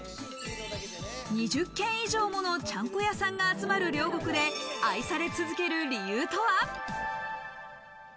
２０軒以上ものちゃんこ屋さんが集まる両国で愛され続ける理由とは？